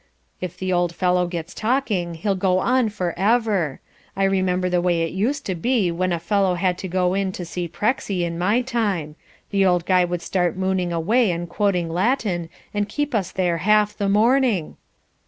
If the old fellow gets talking, he'll go on for ever. I remember the way it used to be when a fellow had to go in to see Prexy in my time. The old guy would start mooning away and quoting Latin and keep us there half the morning."